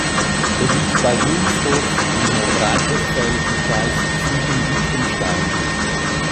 Er liegt bei Wilnsdorf im nordrhein-westfälischen Kreis Siegen-Wittgenstein.